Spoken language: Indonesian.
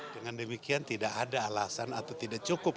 dengan demikian tidak ada alasan atau tidak cukup